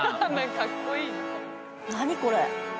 何これ？